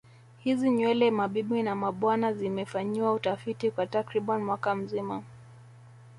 Hizi nywele mabibi na mabwana zimefanyiwa utafiti kwa takriban mwaka mzima